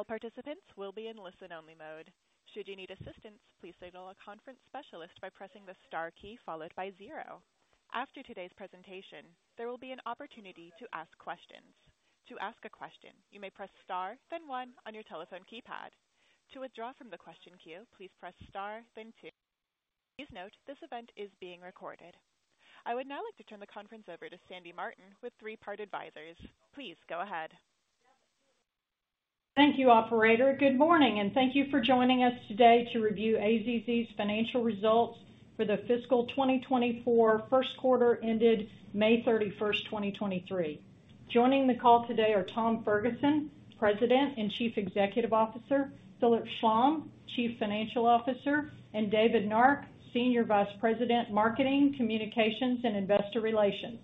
All participants will be in listen-only mode. Should you need assistance, please signal a conference specialist by pressing the star key followed by zero. After today's presentation, there will be an opportunity to ask questions. To ask a question, you may press star, then one on your telephone keypad. To withdraw from the question queue, please press star, then two. Please note, this event is being recorded. I would now like to turn the conference over to Sandy Martin with Three Part Advisors. Please go ahead. Thank you, operator. Good morning, and thank you for joining us today to review AZZ's financial results for the fiscal 2024 Q1, ended May 31st, 2023. Joining the call today are Tom Ferguson, President and Chief Executive Officer, Philip Schlom, Chief Financial Officer, and David Nark, Senior Vice President, Marketing, Communications, and Investor Relations.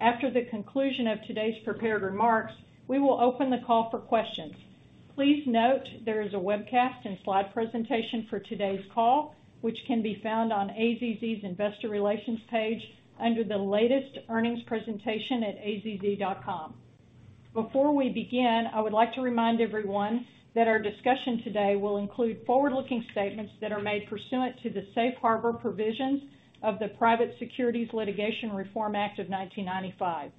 After the conclusion of today's prepared remarks, we will open the call for questions. Please note there is a webcast and slide presentation for today's call, which can be found on AZZ's Investor Relations page under the Latest Earnings Presentation at azz.com. Before we begin, I would like to remind everyone that our discussion today will include forward-looking statements that are made pursuant to the safe harbor provisions of the Private Securities Litigation Reform Act of 1995.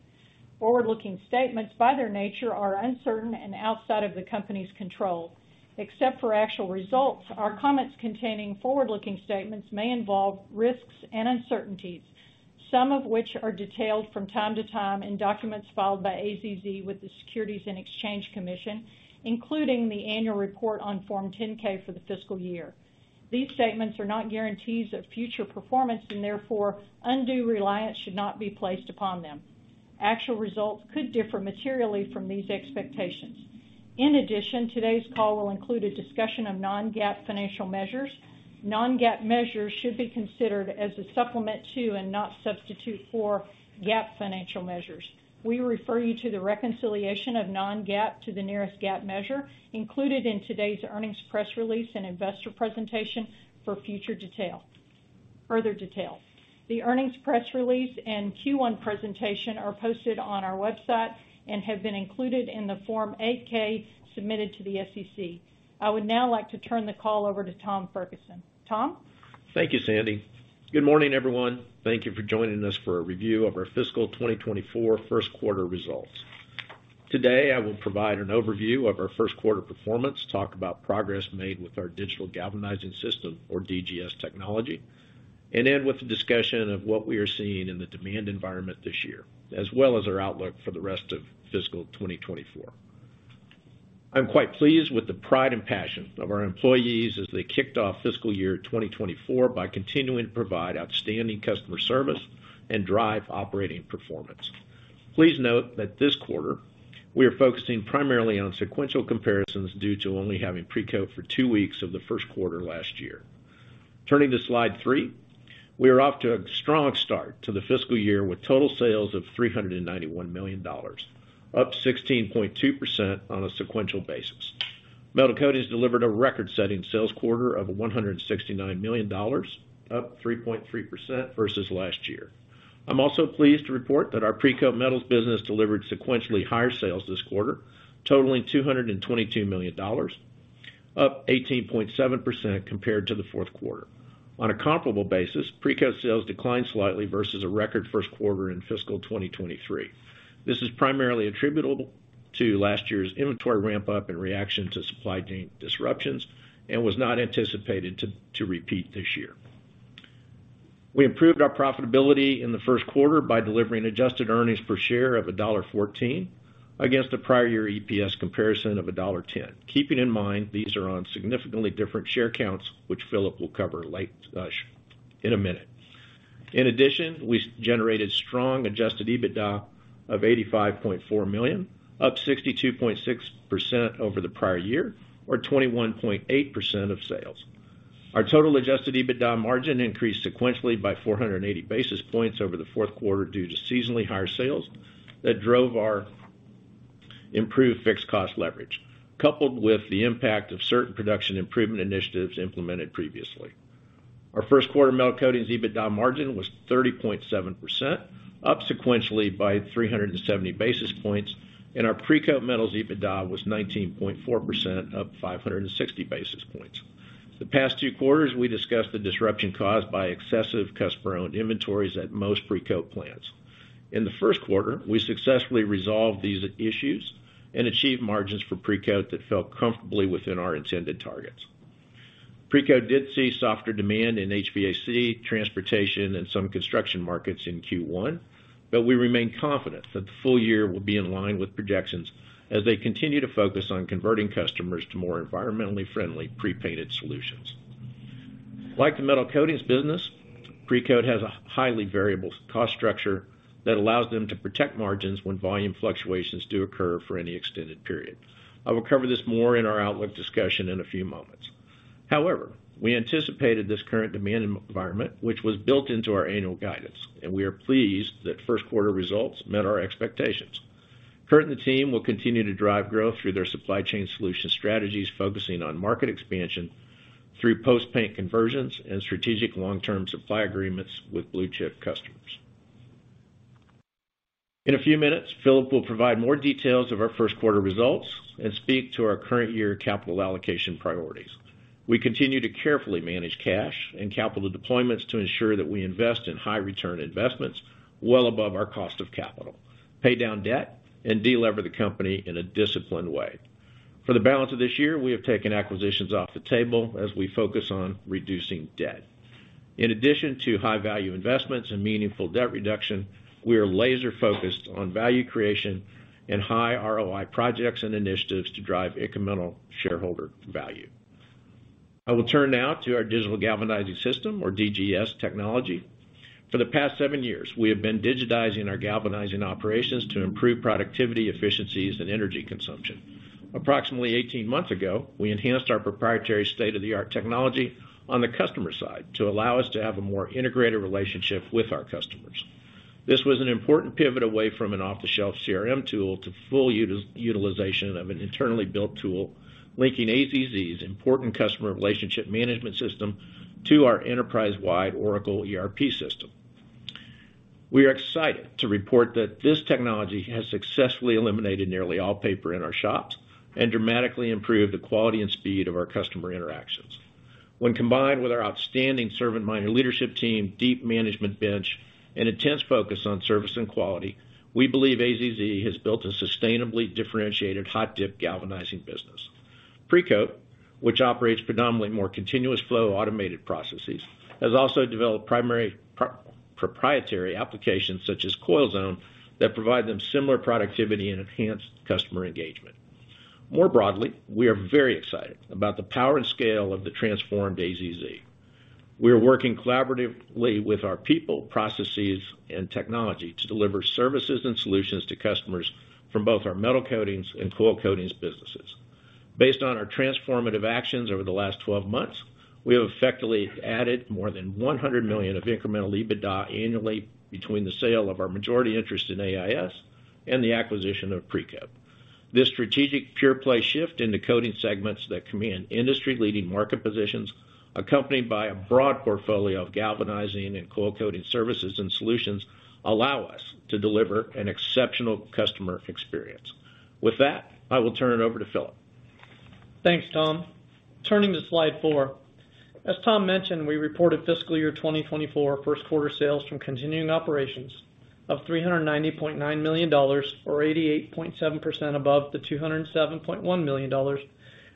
Forward-looking statements, by their nature, are uncertain and outside of the company's control. Except for actual results, our comments containing forward-looking statements may involve risks and uncertainties, some of which are detailed from time to time in documents filed by AZZ with the Securities and Exchange Commission, including the annual report on Form 10-K for the fiscal year. These statements are not guarantees of future performance, therefore, undue reliance should not be placed upon them. Actual results could differ materially from these expectations. In addition, today's call will include a discussion of non-GAAP financial measures. Non-GAAP measures should be considered as a supplement to and not substitute for GAAP financial measures. We refer you to the reconciliation of non-GAAP to the nearest GAAP measure included in today's earnings press release and investor presentation for further detail. The earnings press release and Q1 presentation are posted on our website and have been included in the Form 8-K submitted to the SEC. I would now like to turn the call over to Tom Ferguson. Tom? Thank you, Sandy. Good morning, everyone. Thank you for joining us for a review of our fiscal 2024 Q1 results. Today, I will provide an overview of our Q1 performance, talk about progress made with our digital galvanizing system or DGS technology, and end with a discussion of what we are seeing in the demand environment this year, as well as our outlook for the rest of fiscal 2024. I'm quite pleased with the pride and passion of our employees as they kicked off fiscal year 2024 by continuing to provide outstanding customer service and drive operating performance. Please note that this quarter, we are focusing primarily on sequential comparisons due to only having Precoat for two weeks of the Q1 last year. Turning to slide three, we are off to a strong start to the fiscal year with total sales of $391 million, up 16.2% on a sequential basis. Metal Coatings delivered a record-setting sales quarter of $169 million, up 3.3% versus last year. I'm also pleased to report that our Precoat Metals business delivered sequentially higher sales this quarter, totaling $222 million, up 18.7% compared to the Q4. On a comparable basis, Precoat sales declined slightly versus a record Q1 in fiscal 2023. This is primarily attributable to last year's inventory ramp-up in reaction to supply chain disruptions and was not anticipated to repeat this year. We improved our profitability in the Q1 by delivering adjusted earnings per share of $1.14 against a prior year EPS comparison of $1.10. Keeping in mind, these are on significantly different share counts, which Philip will cover in a minute. We generated strong adjusted EBITDA of $85.4 million, up 62.6% over the prior year or 21.8% of sales. Our total adjusted EBITDA margin increased sequentially by 480 basis points over the Q4 due to seasonally higher sales that drove our improved fixed cost leverage, coupled with the impact of certain production improvement initiatives implemented previously. Our Q1 Metal Coatings EBITDA margin was 30.7%, up sequentially by 370 basis points, and our Precoat Metals EBITDA was 19.4%, up 560 basis points. The past two quarters, we discussed the disruption caused by excessive customer-owned inventories at most Precoat plants. In the Q1, we successfully resolved these issues and achieved margins for Precoat that fell comfortably within our intended targets. Precoat did see softer demand in HVAC, transportation, and some construction markets in Q1, but we remain confident that the full year will be in line with projections as they continue to focus on converting customers to more environmentally friendly pre-painted solutions. Like the Metal Coatings business, Precoat has a highly variable cost structure that allows them to protect margins when volume fluctuations do occur for any extended period. I will cover this more in our outlook discussion in a few moments. However, we anticipated this current demand environment, which was built into our annual guidance, and we are pleased that Q1 results met our expectations. Kurt and the team will continue to drive growth through their supply chain solution strategies, focusing on market expansion through post-paint conversions and strategic long-term supply agreements with blue-chip customers. In a few minutes, Philip will provide more details of our Q1 results and speak to our current year capital allocation priorities. We continue to carefully manage cash and capital deployments to ensure that we invest in high return investments well above our cost of capital, pay down debt, and delever the company in a disciplined way. For the balance of this year, we have taken acquisitions off the table as we focus on reducing debt. In addition to high value investments and meaningful debt reduction, we are laser focused on value creation and high ROI projects and initiatives to drive incremental shareholder value. I will turn now to our digital galvanizing system, or DGS technology. For the past seven years, we have been digitizing our galvanizing operations to improve productivity, efficiencies, and energy consumption. Approximately 18 months ago, we enhanced our proprietary state-of-the-art technology on the customer side to allow us to have a more integrated relationship with our customers. This was an important pivot away from an off-the-shelf CRM tool to full utilization of an internally built tool, linking AZZ's important customer relationship management system to our enterprise-wide Oracle ERP system. We are excited to report that this technology has successfully eliminated nearly all paper in our shops and dramatically improved the quality and speed of our customer interactions. When combined with our outstanding servant leader leadership team, deep management bench, and intense focus on service and quality, we believe AZZ has built a sustainably differentiated hot-dip galvanizing business. Precoat, which operates predominantly more continuous flow automated processes, has also developed primary proprietary applications such as CoilZone, that provide them similar productivity and enhanced customer engagement. Broadly, we are very excited about the power and scale of the transformed AZZ. We are working collaboratively with our people, processes, and technology to deliver services and solutions to customers from both our Metal Coatings and coil coatings businesses. Based on our transformative actions over the last 12 months, we have effectively added more than $100 million of incremental EBITDA annually between the sale of our majority interest in AIS and the acquisition of Precoat. This strategic pure play shift in the coating segments that command industry-leading market positions, accompanied by a broad portfolio of galvanizing and coil coating services and solutions, allow us to deliver an exceptional customer experience. With that, I will turn it over to Philip. Thanks, Tom. Turning to slide four. As Tom mentioned, we reported fiscal year 2024 Q1 sales from continuing operations of $390.9 million, or 88.7% above the $207.1 million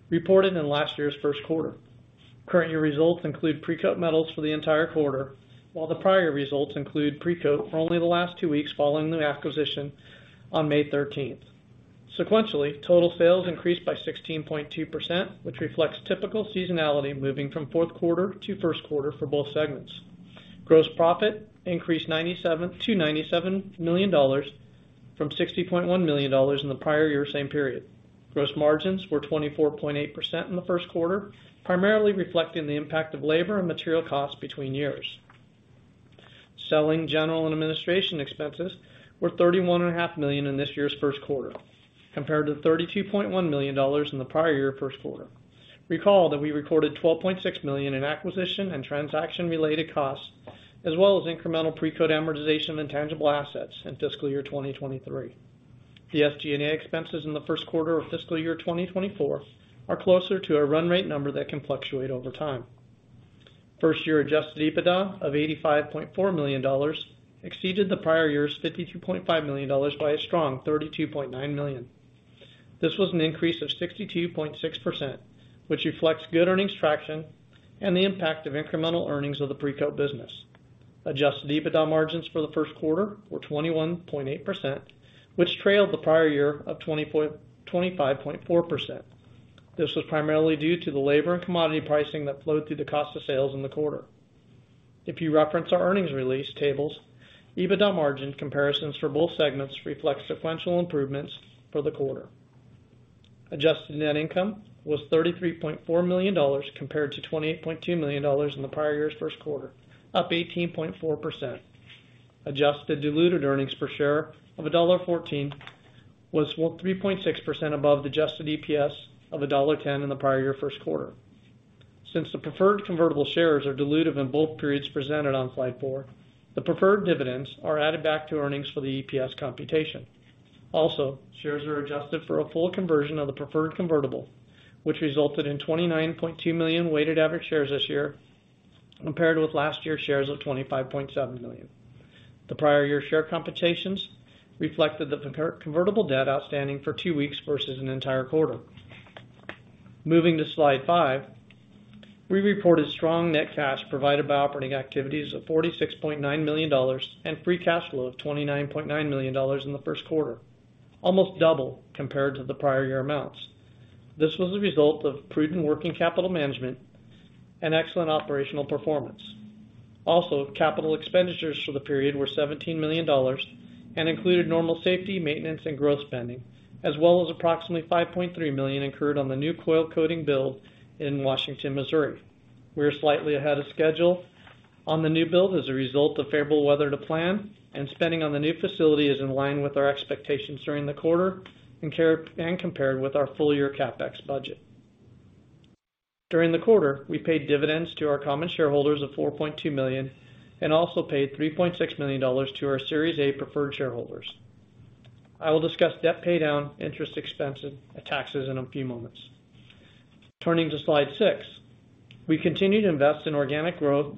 reported in last year's Q1. Current year results include Precoat Metals for the entire quarter, while the prior results include Precoat for only the last two weeks following the acquisition on May 13th. Sequentially, total sales increased by 16.2%, which reflects typical seasonality, moving from Q4 to Q1 for both segments. Gross profit increased to $97 million from $60.1 million in the prior year same period. Gross margins were 24.8% in the Q1, primarily reflecting the impact of labor and material costs between years. Selling, general and administration expenses were thirty-one and a half million in this year's Q1, compared to $32.1 million in the prior year Q1. Recall that we recorded $12.6 million in acquisition and transaction-related costs, as well as incremental Precoat amortization and tangible assets in fiscal year 2023. The SG&A expenses in the Q1 of fiscal year 2024 are closer to a run rate number that can fluctuate over time. First year adjusted EBITDA of $85.4 million exceeded the prior year's $52.5 million by a strong $32.9 million. This was an increase of 62.6%, which reflects good earnings traction and the impact of incremental earnings of the Precoat business. Adjusted EBITDA margins for the Q1 were 21.8%, which trailed the prior year of 25.4%. This was primarily due to the labor and commodity pricing that flowed through the cost of sales in the quarter. If you reference our earnings release tables, EBITDA margin comparisons for both segments reflect sequential improvements for the quarter. Adjusted net income was $33.4 million, compared to $28.2 million in the prior year's Q1, up 18.4%. Adjusted diluted earnings per share of $1.14 was well, 3.6% above the adjusted EPS of $1.10 in the prior year Q1. Since the preferred convertible shares are dilutive in both periods presented on slide four, the preferred dividends are added back to earnings for the EPS computation. Shares are adjusted for a full conversion of the preferred convertible, which resulted in 29.2 million weighted average shares this year, compared with last year's shares of 25.7 million. The prior year's share computations reflected the convertible debt outstanding for two weeks versus an entire quarter. Moving to slide five, we reported strong net cash provided by operating activities of $46.9 million and free cash flow of $29.9 million in the Q1, almost double compared to the prior year amounts. This was a result of prudent working capital management and excellent operational performance. Capital expenditures for the period were $17 million and included normal safety, maintenance, and growth spending, as well as approximately $5.3 million incurred on the new coil coating build in Washington, Missouri. We are slightly ahead of schedule on the new build as a result of favorable weather to plan. Spending on the new facility is in line with our expectations during the quarter and compared with our full-year CapEx budget. During the quarter, we paid dividends to our common shareholders of $4.2 million and also paid $3.6 million to our Series A preferred shareholders. I will discuss debt paydown, interest expense, and taxes in a few moments. Turning to slide six. We continue to invest in organic growth,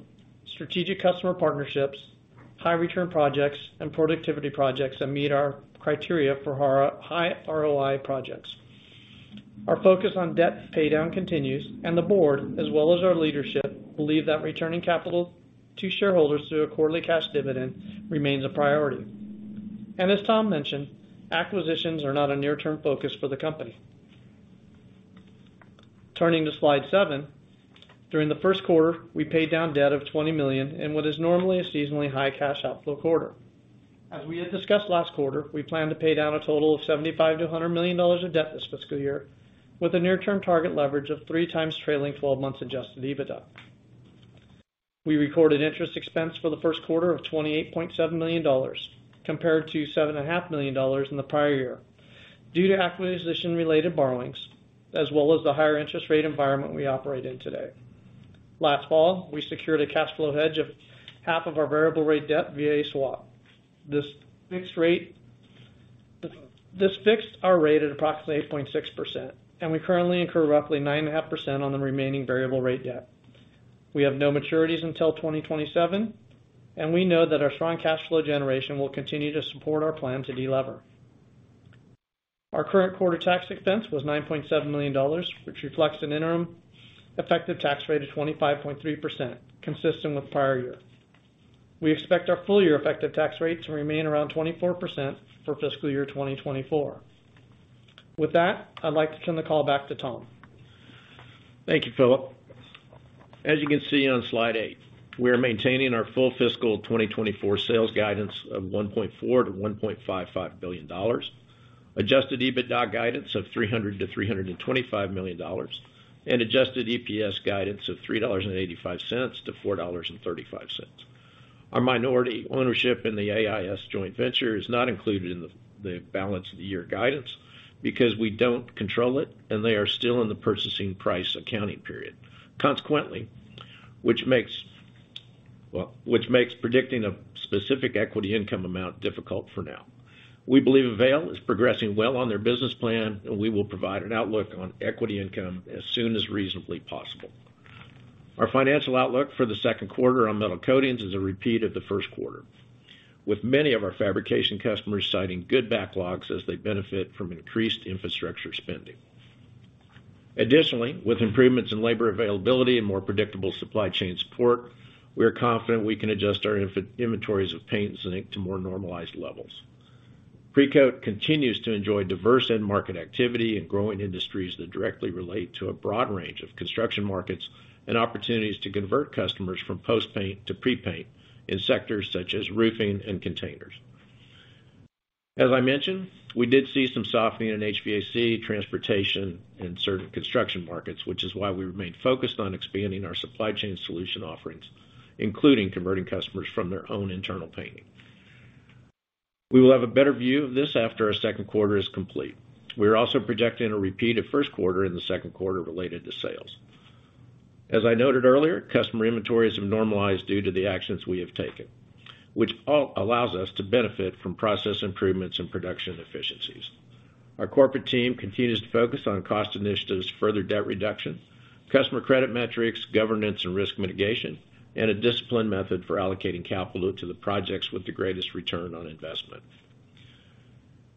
strategic customer partnerships, high return projects, and productivity projects that meet our criteria for our high ROI projects. Our focus on debt paydown continues, and the board, as well as our leadership, believe that returning capital to shareholders through a quarterly cash dividend remains a priority. As Tom mentioned, acquisitions are not a near-term focus for the company. Turning to slide seven. During the Q1, we paid down debt of $20 million in what is normally a seasonally high cash outflow quarter. As we had discussed last quarter, we plan to pay down a total of $75 million-$100 million of debt this fiscal year, with a near-term target leverage of three times trailing twelve months adjusted EBITDA. We recorded interest expense for the Q1 of $28.7 million, compared to $7.5 million in the prior year, due to acquisition-related borrowings, as well as the higher interest rate environment we operate in today. Last fall, we secured a cash flow hedge of half of our variable rate debt via a swap. This fixed our rate at approximately 8.6%. We currently incur roughly 9.5% on the remaining variable rate debt. We have no maturities until 2027. We know that our strong cash flow generation will continue to support our plan to delever. Our current quarter tax expense was $9.7 million, which reflects an interim effective tax rate of 25.3%, consistent with prior year. We expect our full year effective tax rate to remain around 24% for fiscal year 2024. With that, I'd like to turn the call back to Tom. Thank you, Philip. As you can see on slide eight, we are maintaining our full fiscal 2024 sales guidance of $1.4 billion-$1.55 billion, adjusted EBITDA guidance of $300 million-$325 million, and adjusted EPS guidance of $3.85-$4.35. Our minority ownership in the AIS joint venture is not included in the balance of the year guidance because we don't control it, and they are still in the purchasing price accounting period. Which makes predicting a specific equity income amount difficult for now. We believe Avail is progressing well on their business plan, and we will provide an outlook on equity income as soon as reasonably possible. Our financial outlook for the Q2 on Metal Coatings is a repeat of the Q1, with many of our fabrication customers citing good backlogs as they benefit from increased infrastructure spending. Additionally, with improvements in labor availability and more predictable supply chain support, we are confident we can adjust our inventories of paints and ink to more normalized levels. Precoat continues to enjoy diverse end market activity and growing industries that directly relate to a broad range of construction markets and opportunities to convert customers from post-paint to pre-paint in sectors such as roofing and containers. As I mentioned, we did see some softening in HVAC, transportation, and certain construction markets, which is why we remain focused on expanding our supply chain solution offerings, including converting customers from their own internal painting. We will have a better view of this after our Q2 is complete. We are also projecting a repeat of Q1 in the Q2 related to sales. As I noted earlier, customer inventories have normalized due to the actions we have taken, which allows us to benefit from process improvements and production efficiencies. Our corporate team continues to focus on cost initiatives, further debt reduction, customer credit metrics, governance and risk mitigation, and a disciplined method for allocating capital to the projects with the greatest return on investment.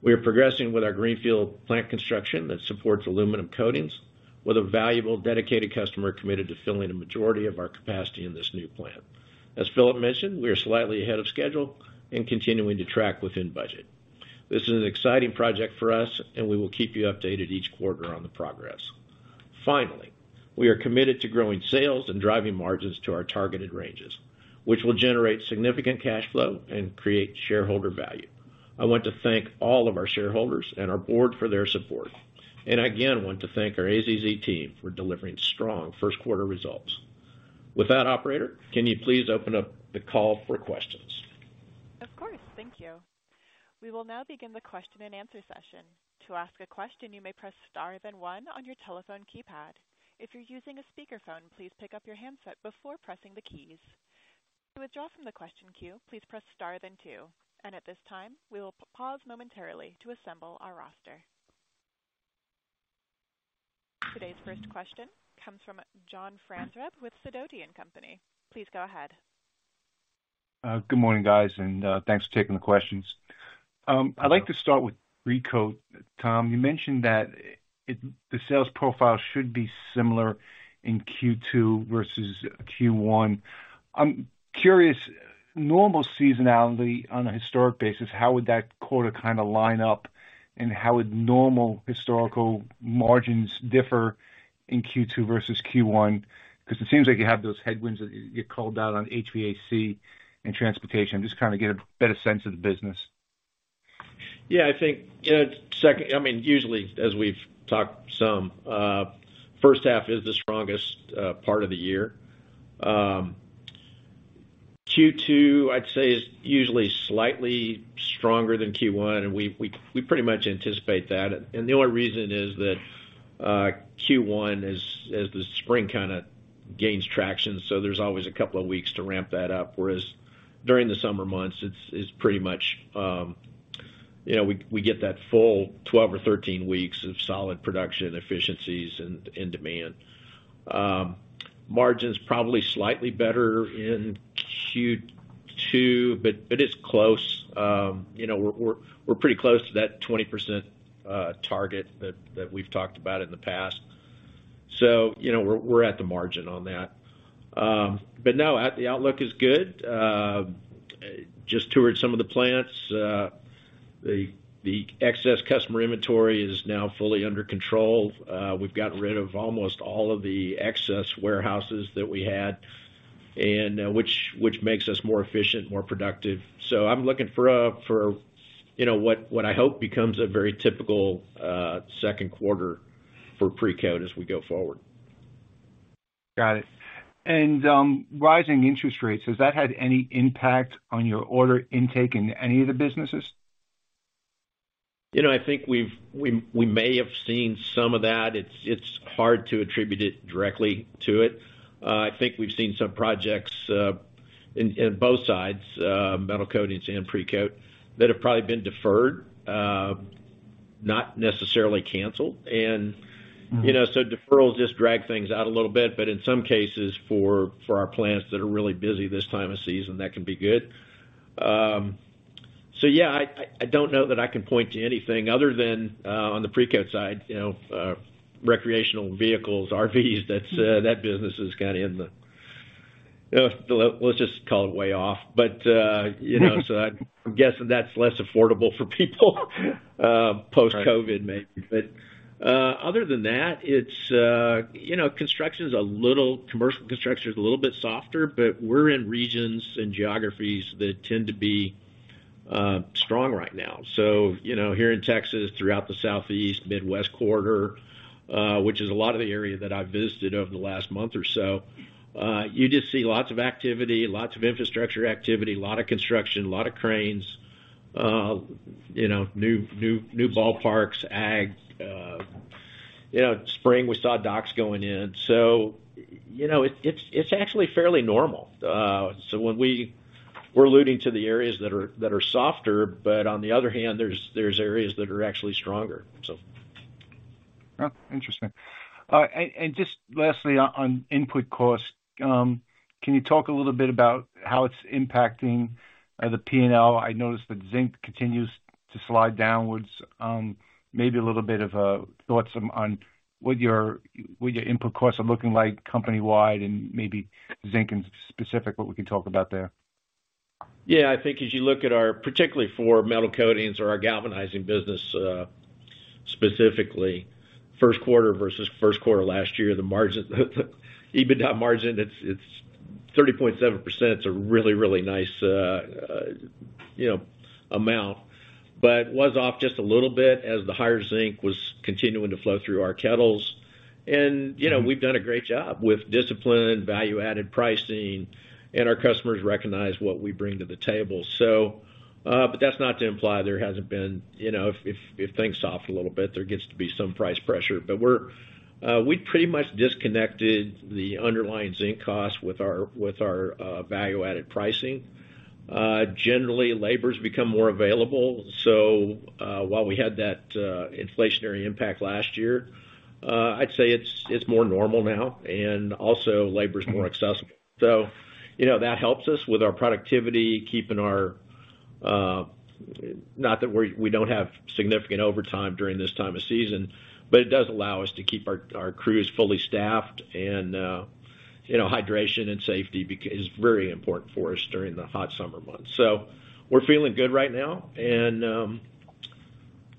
We are progressing with our greenfield plant construction that supports aluminum coatings, with a valuable, dedicated customer committed to filling a majority of our capacity in this new plant. As Philip mentioned, we are slightly ahead of schedule and continuing to track within budget. This is an exciting project for us, and we will keep you updated each quarter on the progress. Finally, we are committed to growing sales and driving margins to our targeted ranges, which will generate significant cash flow and create shareholder value. I want to thank all of our shareholders and our board for their support. Again, want to thank our AZZ team for delivering strong Q1 results. With that, operator, can you please open up the call for questions? Of course. Thank you. We will now begin the question-and-answer session. To ask a question, you may press star, then one on your telephone keypad. If you're using a speakerphone, please pick up your handset before pressing the keys. To withdraw from the question queue, please press star, then two. At this time, we will pause momentarily to assemble our roster. Today's first question comes from John Franzreb with Sidoti & Company. Please go ahead. Good morning, guys, thanks for taking the questions. I'd like to start with Precoat. Tom, you mentioned that the sales profile should be similar in Q2 versus Q1. I'm curious, normal seasonality on a historic basis, how would that quarter kind of line up? How would normal historical margins differ in Q2 versus Q1? It seems like you have those headwinds that you called out on HVAC and transportation. Just kind of get a better sense of the business. Yeah, I think, you know, I mean, usually, as we've talked some, H1 is the strongest part of the year. Q2, I'd say, is usually slightly stronger than Q1, and we pretty much anticipate that. The only reason is that Q1 is, as the spring kind of gains traction, so there's always a couple of weeks to ramp that up, whereas during the summer months, it's pretty much, you know, we get that full 12 or 13 weeks of solid production efficiencies and demand. Margins probably slightly better in Q2, but it's close. You know, we're pretty close to that 20% target that we've talked about in the past. You know, we're at the margin on that. No, the outlook is good. Just toured some of the plants. The excess customer inventory is now fully under control. We've gotten rid of almost all of the excess warehouses that we had, and which makes us more efficient, more productive. I'm looking for, you know, what I hope becomes a very typical Q2 for Precoat as we go forward. Got it. Rising interest rates, has that had any impact on your order intake in any of the businesses? You know, I think we may have seen some of that. It's hard to attribute it directly to it. I think we've seen some projects in both sides, Metal Coatings and Precoat, that have probably been deferred, not necessarily canceled. Mm-hmm. You know, deferrals just drag things out a little bit, but in some cases, for our plants that are really busy this time of season, that can be good. Yeah, I don't know that I can point to anything other than on the Precoat side, you know, recreational vehicles, RVs, that business is kind of in the... Let's just call it way off. You know, I'm guessing that's less affordable for people, post-COVID maybe. Right. Other than that, it's, you know, commercial construction is a little bit softer, but we're in regions and geographies that tend to be strong right now. You know, here in Texas, throughout the Southeast, Midwest corridor, which is a lot of the area that I've visited over the last month or so, you just see lots of activity, lots of infrastructure activity, a lot of construction, a lot of cranes, you know, new ballparks, ag, you know, spring, we saw docks going in. You know, it's actually fairly normal. We're alluding to the areas that are softer, but on the other hand, there's areas that are actually stronger, so. Oh, interesting. Just lastly, on input costs, can you talk a little bit about how it's impacting the P&L? I noticed that zinc continues to slide downwards. Maybe a little bit of thoughts on what your input costs are looking like company-wide and maybe zinc in specific, what we can talk about there. I think as you look at our, particularly for Metal Coatings or our galvanizing business, specifically, Q1 versus Q1 last year, the margin, EBITDA margin, it's 30.7%. It's a really, really nice, you know, amount, but was off just a little bit as the higher zinc was continuing to flow through our kettles. Mm-hmm. We've done a great job with discipline, value-added pricing, and our customers recognize what we bring to the table. That's not to imply there hasn't been, you know, if things soft a little bit, there gets to be some price pressure. We pretty much disconnected the underlying zinc costs with our value-added pricing. Generally, labor's become more available while we had that inflationary impact last year, I'd say it's more normal now, and also labor's more accessible. You know, that helps us with our productivity. Not that we don't have significant overtime during this time of season, but it does allow us to keep our crews fully staffed. You know, hydration and safety is very important for us during the hot summer months. We're feeling good right now.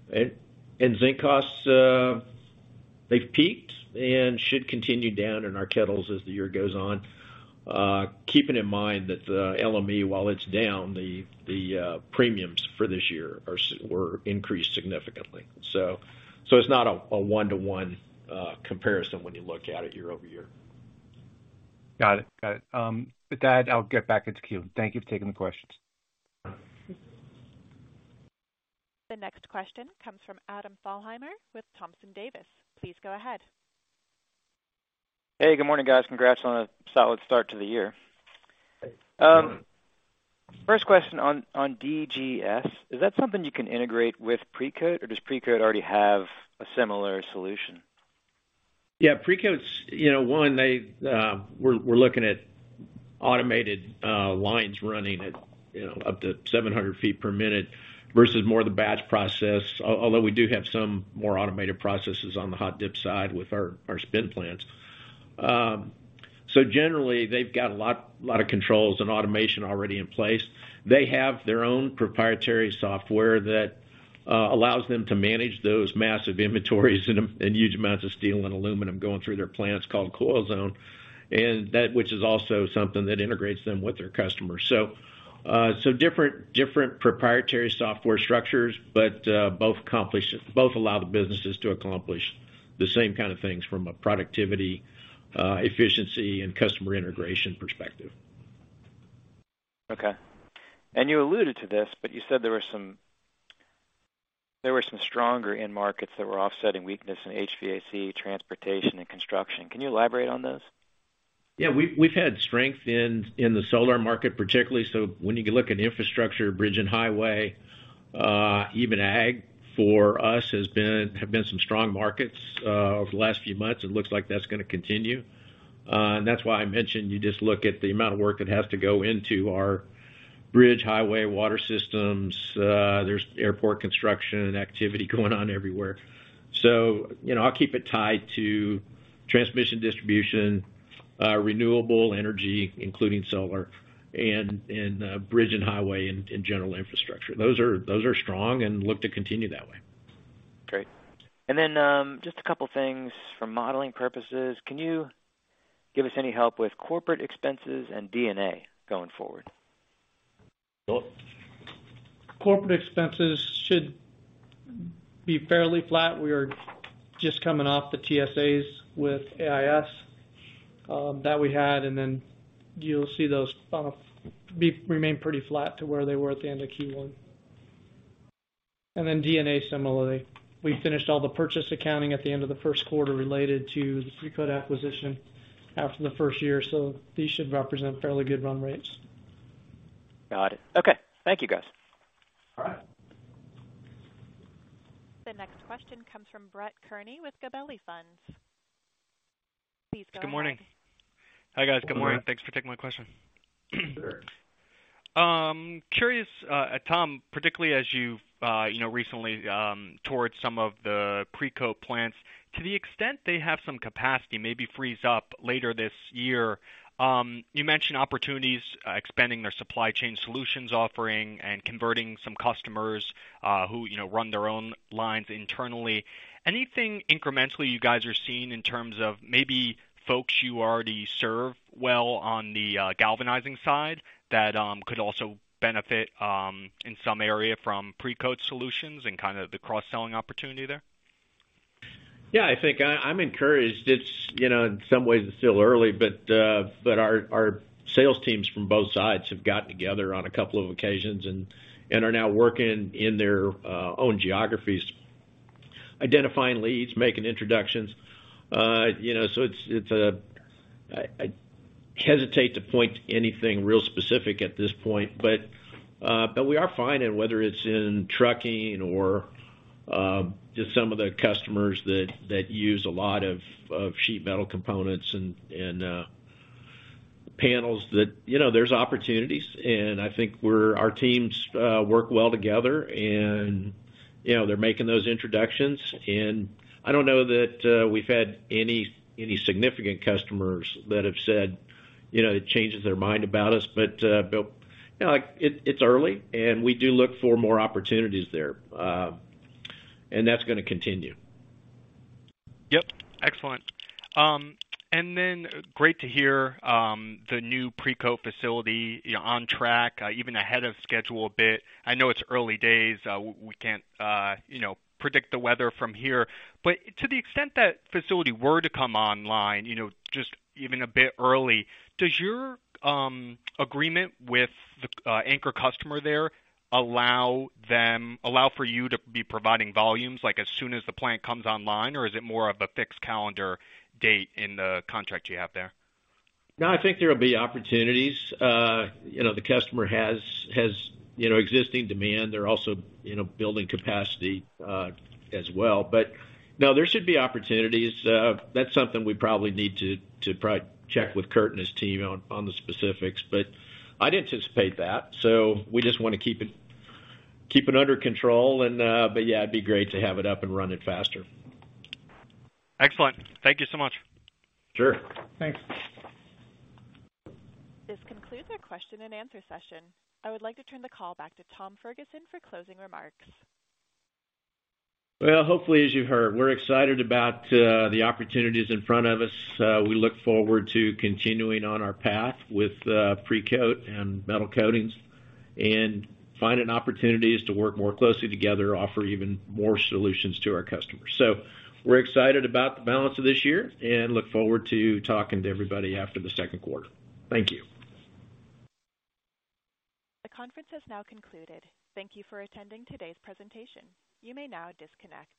Zinc costs, they've peaked and should continue down in our kettles as the year goes on. Keeping in mind that the LME, while it's down, the premiums for this year were increased significantly. It's not a one-to-one comparison when you look at it year-over-year. Got it. With that, I'll get back into queue. Thank you for taking the questions. The next question comes from Adam Thalhimer with Thompson Davis. Please go ahead. Hey, good morning, guys. Congrats on a solid start to the year. Hey. first question on DGS, is that something you can integrate with Precoat, or does Precoat already have a similar solution? Yeah, Precoat's, you know, one, they, we're looking at automated lines running at, you know, up to 700 feet per minute, versus more the batch process, although we do have some more automated processes on the hot-dip side with our spin plants. Generally, they've got a lot of controls and automation already in place. They have their own proprietary software that allows them to manage those massive inventories and huge amounts of steel and aluminum going through their plants, called CoilZone, and that, which is also something that integrates them with their customers. Different proprietary software structures, but both allow the businesses to accomplish the same kind of things from a productivity, efficiency, and customer integration perspective. Okay. You alluded to this, but you said there were some stronger end markets that were offsetting weakness in HVAC, transportation, and construction. Can you elaborate on those? Yeah, we've had strength in the solar market, particularly. When you look at infrastructure, bridge and highway, even ag for us have been some strong markets over the last few months, it looks like that's gonna continue. That's why I mentioned, you just look at the amount of work that has to go into our bridge, highway, water systems, there's airport construction and activity going on everywhere. You know, I'll keep it tied to transmission, distribution, renewable energy, including solar and bridge and highway, and general infrastructure. Those are strong and look to continue that way. Great. Just a couple things for modeling purposes. Can you give us any help with corporate expenses and D&A going forward? Corporate expenses should be fairly flat. We are just coming off the TSAs with AIS that we had, you'll see those remain pretty flat to where they were at the end of Q1. D&A, similarly, we finished all the purchase accounting at the end of the Q1 related to the Precoat acquisition after the first year, these should represent fairly good run rates. Got it. Okay. Thank you, guys. All right. The next question comes from Brett Kearney with Gabelli Funds. Please go ahead. Good morning. Hi, guys. Good morning. Good morning. Thanks for taking my question. Curious, Tom, particularly as you've, you know, recently, toured some of the Precoat plants. To the extent they have some capacity, maybe frees up later this year, you mentioned opportunities, expanding their supply chain solutions offering, and converting some customers, who, you know, run their own lines internally. Anything incrementally you guys are seeing in terms of maybe folks you already serve well on the galvanizing side, that could also benefit, in some area from Precoat solutions and kind of the cross-selling opportunity there? Yeah, I think I'm encouraged. It's, you know, in some ways it's still early, but our sales teams from both sides have gotten together on a couple of occasions and are now working in their own geographies, identifying leads, making introductions. You know, I hesitate to point to anything real specific at this point, but we are finding, whether it's in trucking or just some of the customers that use a lot of sheet metal components and panels that, you know, there's opportunities, and I think our teams work well together, and, you know, they're making those introductions. I don't know that we've had any significant customers that have said, you know, it changes their mind about us. Bill, you know, like, it's early, and we do look for more opportunities there, and that's gonna continue. Yep, excellent. Great to hear, the new Precoat facility, you know, on track, even ahead of schedule a bit. I know it's early days, we can't, you know, predict the weather from here. To the extent that facility were to come online, you know, just even a bit early, does your agreement with the anchor customer there, allow for you to be providing volumes, like, as soon as the plant comes online, or is it more of a fixed calendar date in the contract you have there? No, I think there will be opportunities. you know, the customer has, you know, existing demand. They're also, you know, building capacity, as well. No, there should be opportunities. That's something we probably need to probably check with Kurt and his team on the specifics, but I'd anticipate that. We just wanna keep it under control and, yeah, it'd be great to have it up and running faster. Excellent. Thank you so much. Sure. Thanks. This concludes our question and answer session. I would like to turn the call back to Tom Ferguson for closing remarks. Well, hopefully, as you heard, we're excited about the opportunities in front of us. We look forward to continuing on our path with Precoat and Metal Coatings, and finding opportunities to work more closely together, offer even more solutions to our customers. We're excited about the balance of this year and look forward to talking to everybody after the Q2. Thank you. The conference has now concluded. Thank you for attending today's presentation. You may now disconnect.